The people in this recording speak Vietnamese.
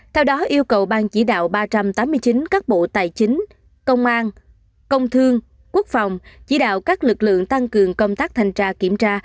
theo đó yêu cầu ban chỉ đạo ba trăm tám mươi chín các bộ tài chính công an công thương quốc phòng chỉ đạo các lực lượng tăng cường công tác thanh tra kiểm tra